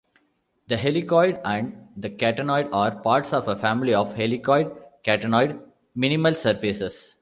The helicoid and the catenoid are parts of a family of helicoid-catenoid minimal surfaces.